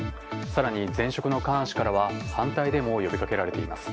更に前職のカーン氏からは反対デモを呼びかけられています。